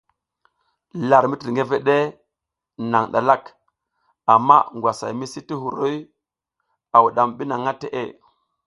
Lar mitirgeveɗ e naƞ ɗalak, amma ngwasay misi ti huruy o a wuɗam ɓi naha teʼe.